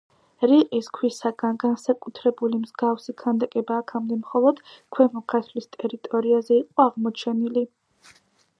რიყის ქვისაგან გაკეთებული მსგავსი ქანდაკება აქამდე მხოლოდ ქვემო ქართლის ტერიტორიაზე იყო აღმოჩენილი.